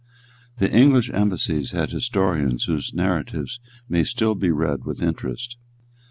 The English embassies had historians whose narratives may still be read with interest.